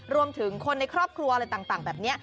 รวมถึงคนในครอบครัวอะไรต่างแบบนี้